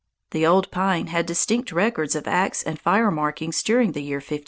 The old pine had distinct records of axe and fire markings during the year 1540.